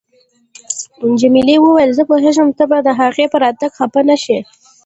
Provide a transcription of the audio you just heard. جميلې وويل: زه پوهیږم ته به د هغې په راتګ خفه نه شې.